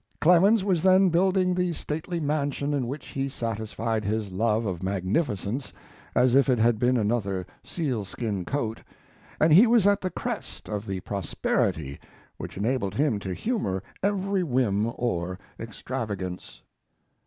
Clemens was then building the stately mansion in which he satisfied his love of magnificence as if it had been another sealskin coat, and he was at the crest of the prosperity which enabled him to humor every whim or extravagance.